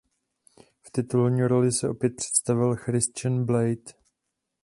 V titulní roli se opět představil Christian Bale.